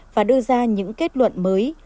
và đưa ra những kết luận mới